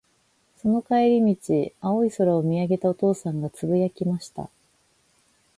その帰り道、青い空を見上げたお父さんが、つぶやきました。